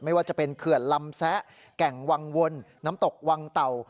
ไม่ว่าจะเป็นเขื่อนลำแซะแก่งวังวลน้ำตกวังเต่า